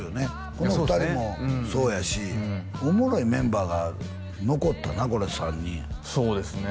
この２人もそうやしおもろいメンバーが残ったなこれ３人そうですね